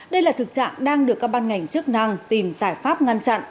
đây là thực trạng đang được các ban ngành chức năng tìm giải pháp ngăn chặn